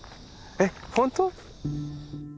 えっ本当？